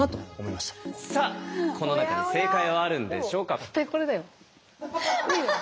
さあこの中に正解はあるんでしょうか。